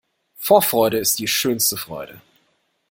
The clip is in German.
Vorfreude ist die schönste Freude.